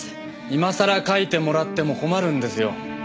今さら描いてもらっても困るんですよ。